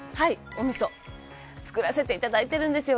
「お味噌造らせて頂いてるんですよ」